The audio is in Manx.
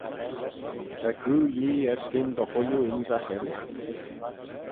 Ta Goo Yee erskyn dy chooilley ynsagh elley.